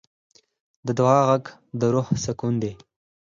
د دعا غږ د روح سکون دی.